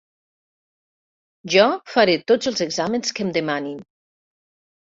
Jo faré tots els exàmens que em demanin.